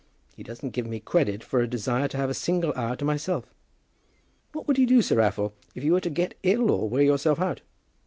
He doesn't give me credit for a desire to have a single hour to myself." "What would he do, Sir Raffle, if you were to get ill, or wear yourself out?"